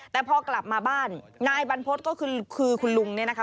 แต่พอกลับมาบ้านนายบรรพฤษก็คือคุณลุงเนี่ยนะคะ